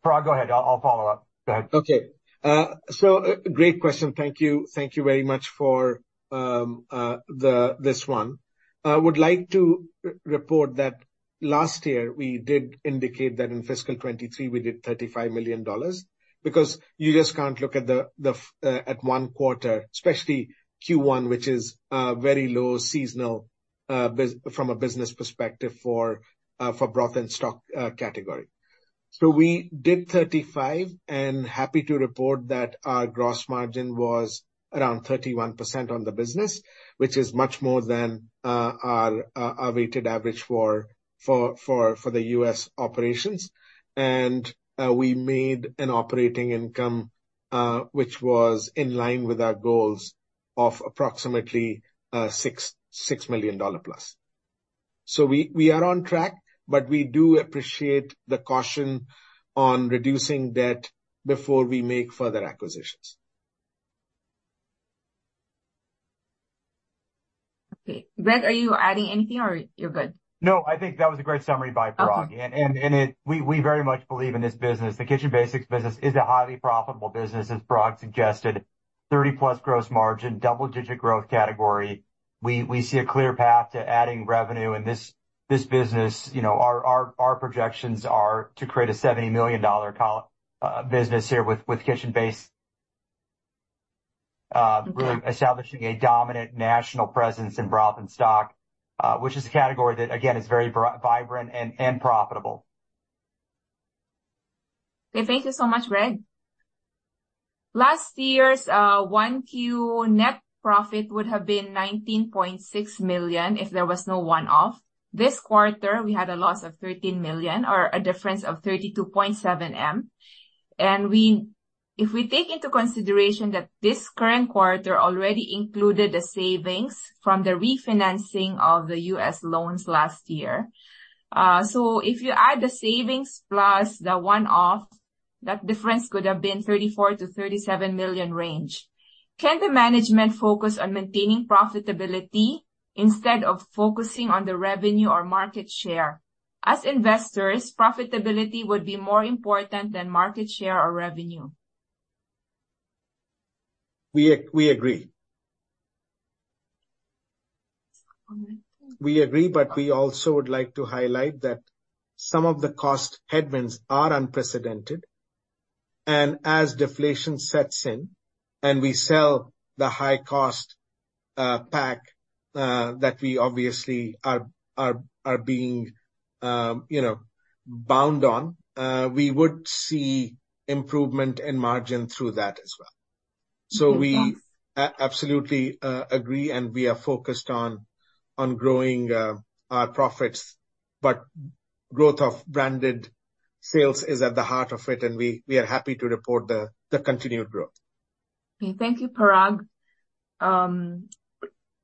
Parag, go ahead. I'll follow up. Go ahead. Okay. Great question. Thank you. Thank you very much for this one. I would like to report that last year we did indicate that in fiscal 2023, we did $35 million, because you just can't look at the at one quarter, especially Q1, which is very low seasonal from a business perspective for broth and stock category. So we did 35, and happy to report that our gross margin was around 31% on the business, which is much more than our weighted average for the U.S. operations. And we made an operating income, which was in line with our goals of approximately $6+ million. So we are on track, but we do appreciate the caution on reducing debt before we make further acquisitions. Okay. Greg, are you adding anything or you're good? No, I think that was a great summary by Parag. Okay. We very much believe in this business. The Kitchen Basics business is a highly profitable business, as Parag suggested, 30+ gross margin, double-digit growth category. We see a clear path to adding revenue in this business. You know, our projections are to create a $70 million business here with Kitchen Basics. Okay Really establishing a dominant national presence in broth and stock, which is a category that, again, is very vibrant and profitable. Okay, thank you so much, Greg. Last year's 1Q net profit would have been $19.6 million if there was no one-off. This quarter, we had a loss of $13 million or a difference of $32.7 million. And if we take into consideration that this current quarter already included a savings from the refinancing of the U.S. loans last year, so if you add the savings plus the one-off, that difference could have been $34 million-$37 million range. Can the management focus on maintaining profitability instead of focusing on the revenue or market share? As investors, profitability would be more important than market share or revenue. We agree. We agree, but we also would like to highlight that some of the cost headwinds are unprecedented, and as deflation sets in and we sell the high cost pack that we obviously are being, you know, bound on, we would see improvement in margin through that as well. Mm-hmm. So we absolutely agree, and we are focused on growing our profits, but growth of branded sales is at the heart of it, and we are happy to report the continued growth. Okay. Thank you, Parag.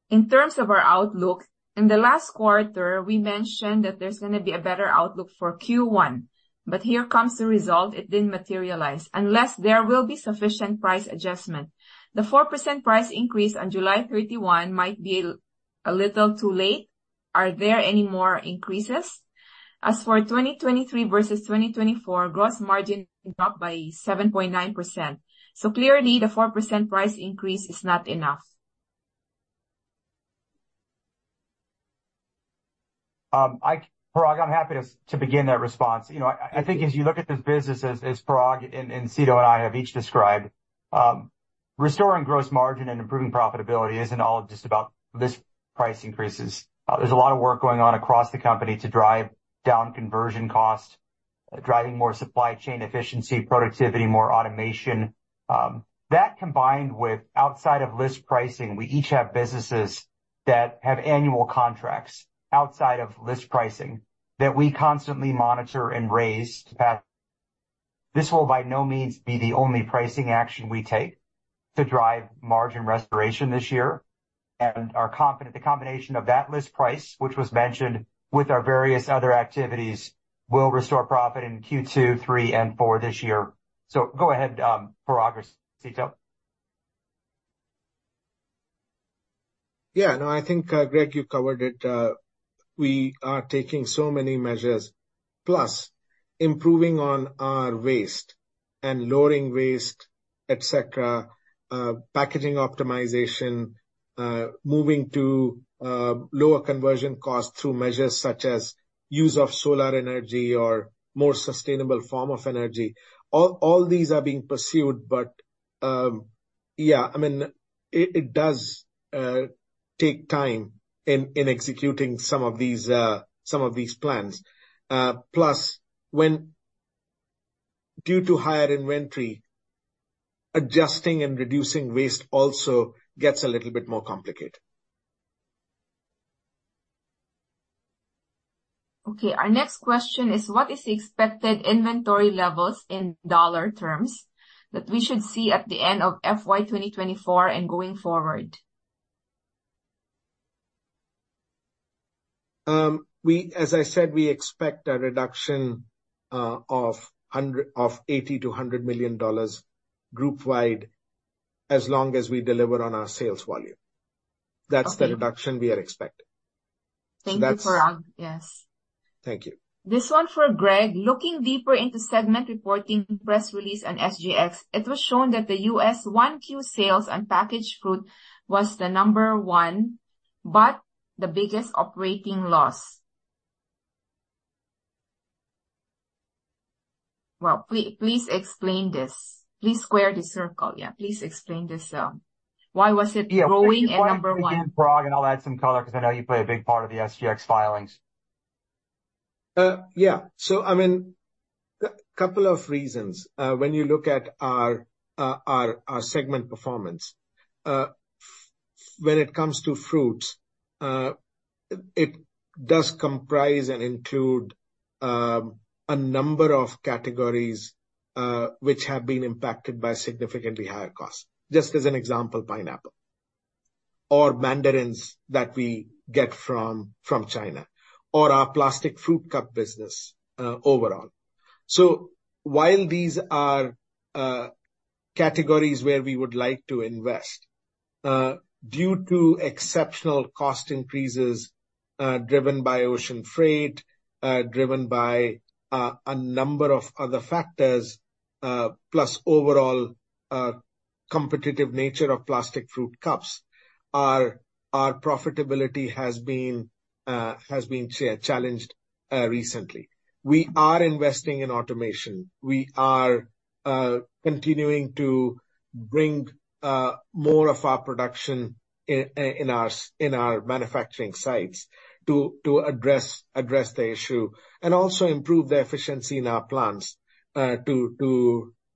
In terms of our outlook, in the last quarter, we mentioned that there's gonna be a better outlook for Q1, but here comes the result. It didn't materialize. Unless there will be sufficient price adjustment, the 4% price increase on July 31 might be a little too late. Are there any more increases? As for 2023 versus 2024, gross margin dropped by 7.9%. So clearly, the 4% price increase is not enough. Parag, I'm happy to begin that response. You know, I think as you look at this business, as Parag and Cito and I have each described, restoring gross margin and improving profitability isn't all just about list price increases. There's a lot of work going on across the company to drive down conversion cost, driving more supply chain efficiency, productivity, more automation. That, combined with outside of list pricing, we each have businesses that have annual contracts outside of list pricing that we constantly monitor and raise to pass. This will by no means be the only pricing action we take to drive margin restoration this year, and are confident the combination of that list price, which was mentioned with our various other activities, will restore profit in Q2, Q3, and Q4 this year. So go ahead, Parag or Cito. Yeah. No, I think, Greg, you covered it. We are taking so many measures, plus improving on our waste and lowering waste, et cetera, packaging optimization, moving to, lower conversion costs through measures such as use of solar energy or more sustainable form of energy. All, all these are being pursued, but, yeah, I mean, it, it does, take time in, in executing some of these, some of these plans. Plus, due to higher inventory, adjusting and reducing waste also gets a little bit more complicated. Okay, our next question is: What is the expected inventory levels in dollar terms that we should see at the end of FY 2024 and going forward? As I said, we expect a reduction of $80 million-$100 million group wide, as long as we deliver on our sales volume. Okay. That's the reduction we are expecting. Thank you, Parag. So that's- Yes. Thank you. This one for Greg. Looking deeper into segment reporting, press release, and SGX, it was shown that the U.S. 1Q sales and packaged food was the number one, but the biggest operating loss. Well, please explain this. Please square the circle. Yeah, please explain this, why was it growing and number one? Yeah. Thanks again, Parag, and I'll add some color because I know you play a big part of the SGX filings. Yeah. So I mean, a couple of reasons when you look at our segment performance. When it comes to fruits, it does comprise and include a number of categories which have been impacted by significantly higher costs. Just as an example, pineapple or mandarins that we get from China, or our plastic fruit cup business overall. So while these are categories where we would like to invest due to exceptional cost increases driven by ocean freight driven by a number of other factors plus overall competitive nature of plastic fruit cups, our profitability has been challenged recently. We are investing in automation. We are-... Continuing to bring more of our production in our manufacturing sites to address the issue, and also improve the efficiency in our plants to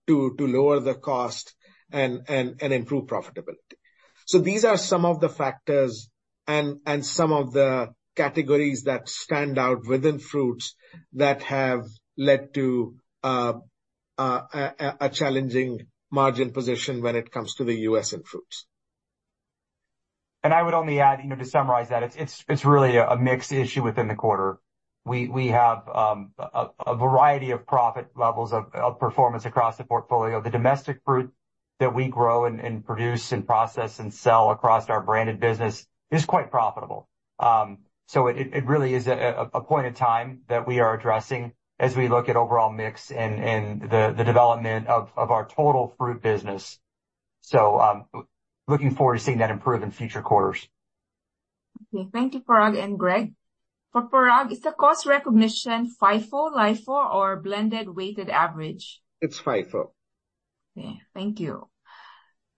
lower the cost and improve profitability. So these are some of the factors and some of the categories that stand out within fruits that have led to a challenging margin position when it comes to the U.S. in fruits. I would only add, you know, to summarize that, it's really a mixed issue within the quarter. We have a variety of profit levels of performance across the portfolio. The domestic fruit that we grow and produce and process and sell across our branded business is quite profitable. So it really is a point in time that we are addressing as we look at overall mix and the development of our total fruit business. So, looking forward to seeing that improve in future quarters. Okay, thank you, Parag and Greg. For Parag, is the cost recognition FIFO, LIFO, or blended weighted average? It's FIFO. Okay, thank you.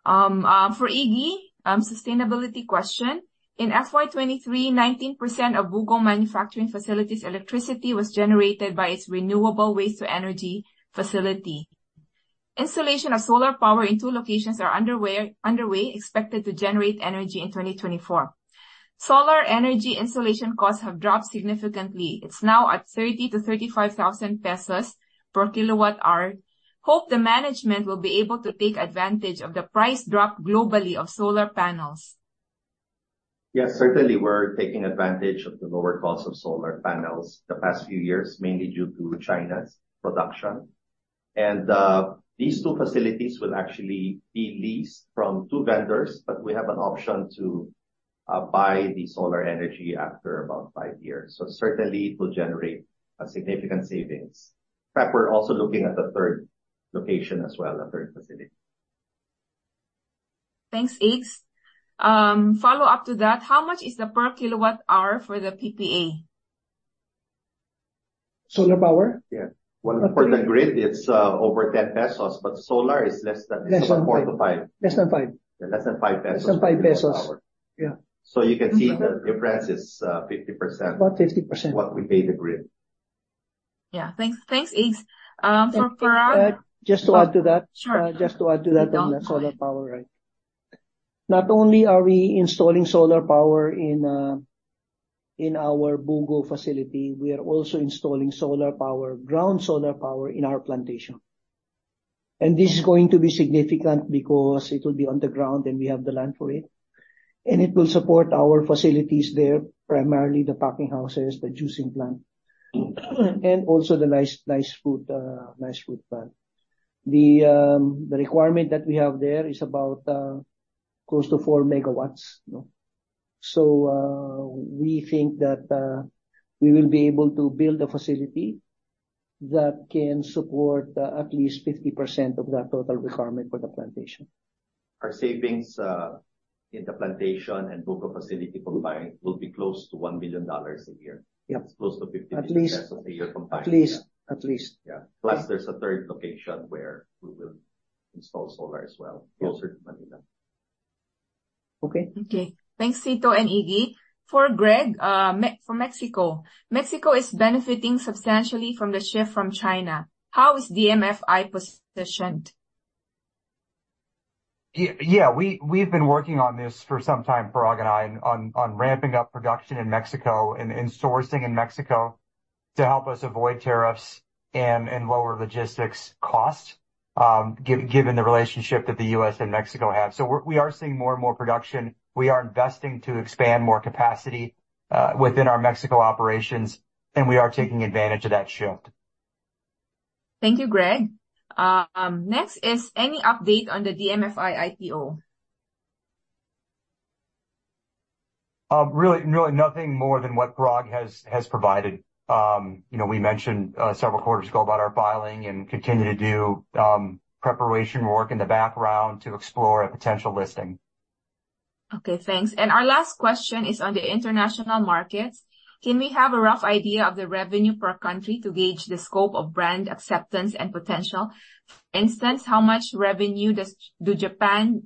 For Iggy, sustainability question: In FY 2023, 19% of Bugo manufacturing facilities' electricity was generated by its renewable waste-to-energy facility. Installation of solar power in two locations are underway, expected to generate energy in 2024. Solar energy installation costs have dropped significantly. It's now at 30,000-35,000 pesos per kWh. Hope the management will be able to take advantage of the price drop globally of solar panels. Yes, certainly we're taking advantage of the lower cost of solar panels the past few years, mainly due to China's production. These two facilities will actually be leased from two vendors, but we have an option to buy the solar energy after about five years. Certainly it will generate a significant savings. In fact, we're also looking at a third location as well, a third facility. Thanks, Iggy. Follow-up to that, how much is the per kilowatt-hour for the PPA? Solar power? Yeah. Well, for the grid, it's over 10 pesos, but solar is less than- Less than five. 4-5. Less than 5. Less than 5. Less than 5 pesos, yeah. You can see the difference is 50%. About 50%. What we pay the grid. Yeah. Thanks, thanks, Iggy. For Parag- Just to add to that- Sure. Just to add to that. Go, go ahead. On the solar power, right? Not only are we installing solar power in our Bugo facility, we are also installing solar power, ground solar power in our plantation. And this is going to be significant because it will be on the ground, and we have the land for it, and it will support our facilities there, primarily the packing houses, the juicing plant, and also the Nice, Nice Fruit, Nice Fruit plant. The requirement that we have there is about close to 4 MW, noh? So, we think that, we will be able to build a facility that can support at least 50% of that total requirement for the plantation. Our savings in the plantation and Bugo facility combined will be close to $1 million a year. Yeah. It's close to 50%- At least- Of the year combined. At least. At least. Yeah. Plus, there's a third location where we will install solar as well, closer to Manila. Okay. Okay. Thanks, Cito and Iggy. For Greg, for Mexico. Mexico is benefiting substantially from the shift from China. How is DMFI positioned? Yeah, we've been working on this for some time, Parag and I, on ramping up production in Mexico and sourcing in Mexico to help us avoid tariffs and lower logistics costs, given the relationship that the U.S. and Mexico have. So we're seeing more and more production. We are investing to expand more capacity within our Mexico operations, and we are taking advantage of that shift. Thank you, Greg. Next, is any update on the DMFI IPO? Really, really nothing more than what Parag has provided. You know, we mentioned several quarters ago about our filing and continue to do preparation work in the background to explore a potential listing. Okay, thanks. And our last question is on the international markets. Can we have a rough idea of the revenue per country to gauge the scope of brand acceptance and potential? For instance, how much revenue do Japan,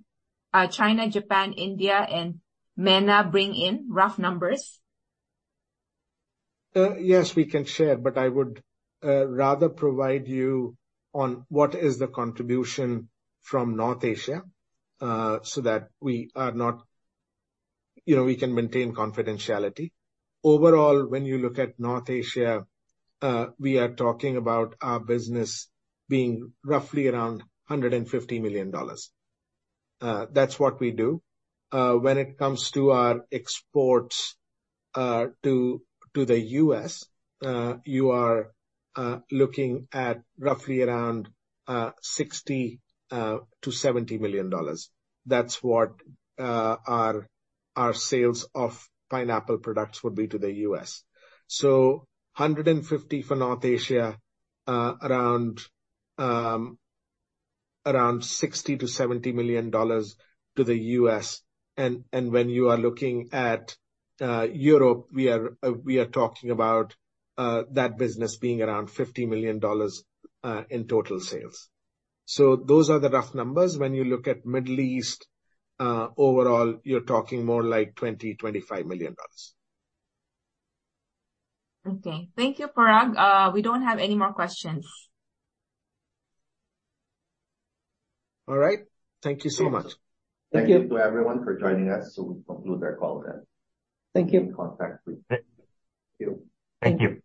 China, India, and MENA bring in, rough numbers? Yes, we can share, but I would rather provide you on what is the contribution from North Asia, so that we are not... You know, we can maintain confidentiality. Overall, when you look at North Asia, we are talking about our business being roughly around $150 million. That's what we do. When it comes to our exports to the U.S., you are looking at roughly around $60 million-$70 million. That's what our sales of pineapple products would be to the U.S. So $150 million for North Asia, around $60 million-$70 million to the U.S. When you are looking at Europe, we are talking about that business being around $50 million in total sales. So those are the rough numbers. When you look at Middle East, overall, you're talking more like $20 million-$25 million. Okay. Thank you, Parag. We don't have any more questions. All right. Thank you so much. Thank you. Thank you to everyone for joining us. So we conclude our call then. Thank you. We'll be in contact with you. Thank you. Thank you.